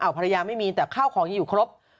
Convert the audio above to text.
ภรรยาไม่มีแต่ข้าวของยังอยู่ครบ